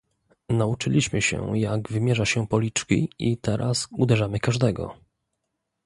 Nauczyliśmy się jak wymierza się policzki i teraz uderzamy każdego